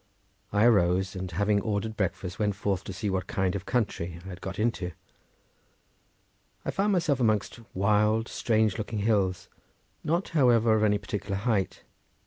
I arose, and having ordered breakfast, went forth to see what kind of country I had got into. I found myself amongst wild, strange looking hills, not, however, of any particular height.